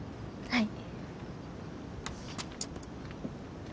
はい！